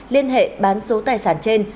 liên hệ bán số tài sản trên